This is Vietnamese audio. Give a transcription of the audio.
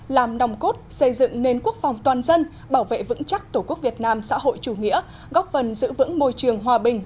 làm nòng cốt xây dựng nền quốc phòng toàn dân bảo vệ vững chắc tổ quốc việt nam xã hội chủ nghĩa góp phần giữ vững môi trường hòa bình